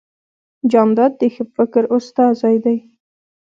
جانداد د ښه فکر استازی دی.